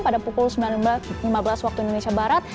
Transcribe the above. pada pukul sembilan lima belas waktu indonesia barat